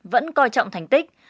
vẫn coi trọng thành tích